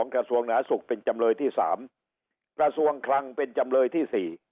กระทรวงหนาสุขเป็นจำเลยที่๓กระทรวงคลังเป็นจำเลยที่๔